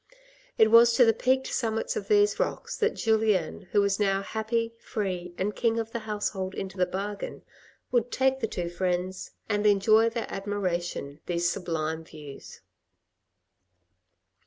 It was to the peaked summits of these rocks that Julien, who was now happy, free, and king of the household into the bargain, would take the two friends, and enjoy their admiration these sublime views.